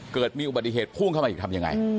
เกิดมีอุบัติเหตุพุ่งเข้ามาอีกทำยังไง